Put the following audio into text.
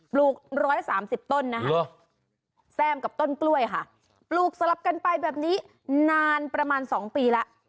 ปลูก๑๓๐ต้นแซ่มกับต้นกล้วยปลูกสลับกันไปแบบนี้นานประมาณสองปีละ